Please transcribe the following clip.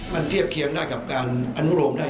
มันเทียบเคียงได้กับการอนุโรมได้